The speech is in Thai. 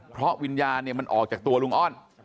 เพราะวิญญาณเนี่ยมันออกจากตัวลุงอ้อน